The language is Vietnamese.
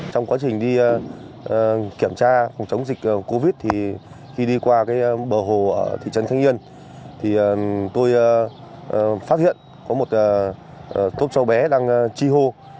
trong quá trình đi kiểm tra chống dịch covid khi đi qua bờ hồ ở thị trấn thanh yên tôi phát hiện có một cháu bé đang chi hô